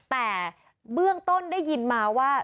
แต่เบื้องต้นได้ยินมาว่า